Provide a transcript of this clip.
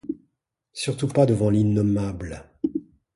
Surtout pas devant l’innommable.